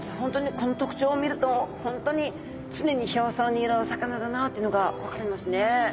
この特徴を見ると本当に常に表層にいるお魚だなっていうのが分かりますね！